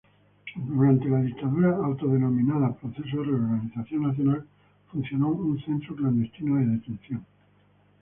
Durante la dictadura autodenominada Proceso de Reorganización Nacional funcionó un centro clandestino de detención.